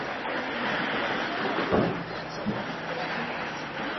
katika eneo hilo Marcial Sanchez mfuatiliaji wa mazingira